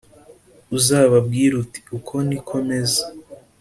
Uzababwire uti uku niko meze